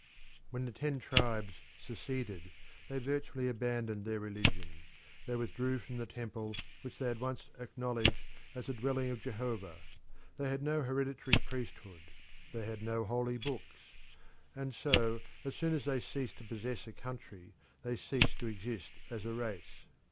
When the ten tribes seceded they virtually abandoned their religion. They withdrew from the temple which they had once acknowledged as the dwelling of Jehovah; they had no hereditary priesthood; they had no holy books; and so as soon as they ceased to possess a country they ceased to exist as a race.